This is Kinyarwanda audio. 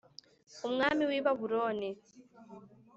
umwami w i Babuloni